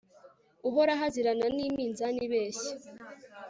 uhoraho azirana n'iminzani ibeshya